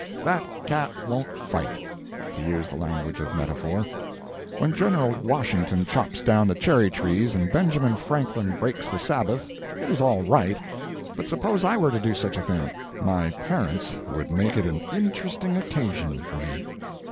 That cat won't fight, to use the language of metaphor. When General Washington chops down the cherry trees and Benjamin Franklin breaks the Sabbath, it is all right; but suppose I were to do such a thing? My parents would make it an interesting occasion for me.